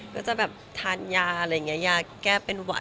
ก็จะแบบทานยาอะไรอย่างนี้ยาแก้เป็นหวัด